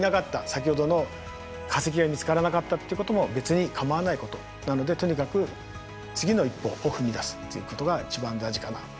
先ほどの化石が見つからなかったっていうことも別に構わないことなのでとにかく次の一歩を踏み出すということが一番大事かな。